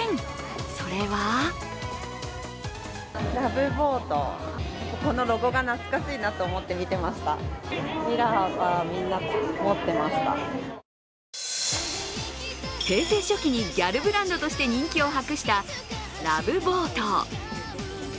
それは平成初期にギャルブランドとして人気を博したＬＯＶＥＢＯＡＴ。